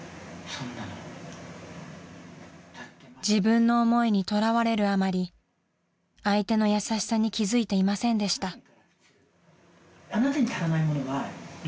［自分の思いにとらわれるあまり相手の優しさに気付いていませんでした］